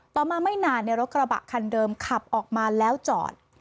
ต่อมาไม่นานรถกระบะคันเดิมขับออกมาแล้วจอด